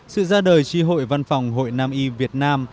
sự ra đời tri hội văn phòng hội nam y việt nam